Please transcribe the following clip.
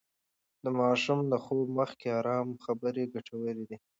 د ماشوم د خوب مخکې ارام خبرې ګټورې دي.